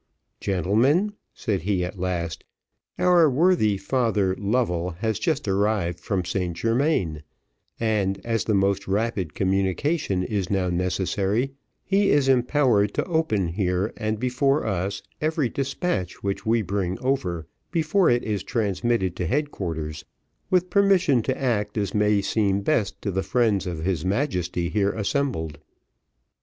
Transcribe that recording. "Gentlemen," said he at last, "our worthy Father Lovell has just arrived from St Germains; and, as the most rapid communication is now necessary, he is empowered to open here and before us, every despatch which we bring over, before it is transmitted to head quarters, with permission to act as may seem best to the friends of his Majesty here assembled."